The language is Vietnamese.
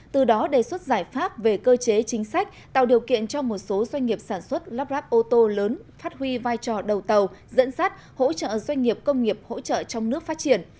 từ đó đề xuất giải pháp về cơ chế chính sách tạo điều kiện cho một số doanh nghiệp sản xuất lắp ráp ô tô lớn phát huy vai trò đầu tàu dẫn sát hỗ trợ doanh nghiệp công nghiệp hỗ trợ trong nước phát triển